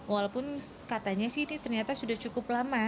walaupun katanya sih ini ternyata sudah cukup lama